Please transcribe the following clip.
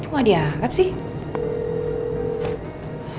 kok nggak dianget sih